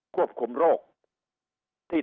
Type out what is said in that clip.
ควบคุมโรคที่